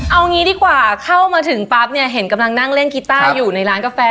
เอางี้ดีกว่าเข้ามาถึงปั๊บเนี่ยเห็นกำลังนั่งเล่นกีต้าอยู่ในร้านกาแฟ